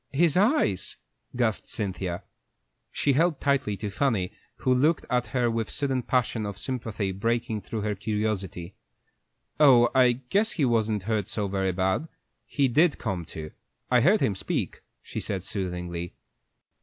"His eyes!" gasped Cynthia. She held tightly to Fanny, who looked at her with a sudden passion of sympathy breaking through her curiosity. "Oh, I guess he wasn't hurt so very bad; he did come to. I heard him speak," she said, soothingly.